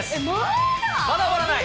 まだ終わらない。